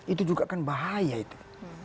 itu juga kan bahaya itu